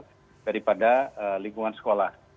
di sekitar daripada lingkungan sekolah